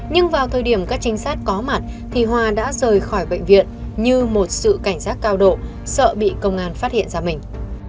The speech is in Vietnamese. nhưng vào thời điểm các trinh sát có mặt thì hòa đã rời khỏi bệnh viện như một sự cảnh giác cao độ sợ bị công an phát hiện ra mình